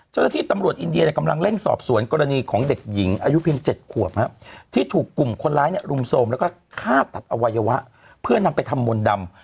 เจ้าหน้าที่ตำรวจอินเดียกำลังเร่งสอบสวนกรณีของเด็กหญิงอายุเพียง๗ขวบที่ถูกกลุ่มคนร้ายเนี่ยรุมโทรมแล้วก็ฆ่าตัดอวัยวะเพื่อนำไปทำมนต์ดำ